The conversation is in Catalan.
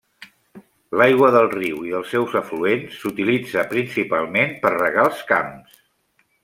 L'aigua del riu i dels seus afluents s'utilitza principalment per regar els camps.